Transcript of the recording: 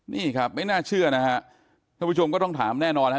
นี่ครับไม่น่าเชื่อนะฮะท่านผู้ชมก็ต้องถามแน่นอนฮะ